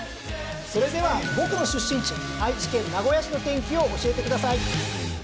それでは僕の出身地、愛知県名古屋市の天気を教えてください。